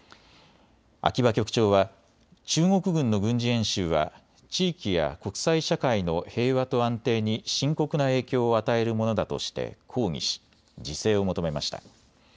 秋葉局長は中国軍の軍事演習は地域や国際社会の平和と安定に深刻な影響を与えるものだとして抗議し自制を求めました。